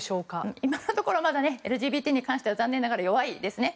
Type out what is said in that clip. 今のところまだＬＧＢＴに関しては残念ながら弱いですね。